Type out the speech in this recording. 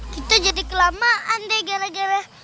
kita jadi kelamaan deh gara gara